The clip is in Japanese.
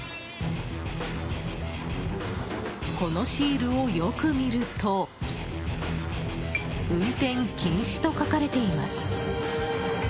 このシールをよく見ると運転禁止と書かれています。